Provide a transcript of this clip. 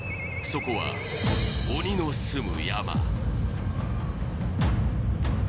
そこは鬼のすむ山